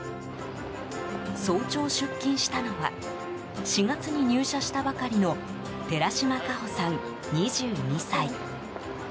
早朝、出勤したのは４月に入社したばかりの寺島香帆さん、２２歳。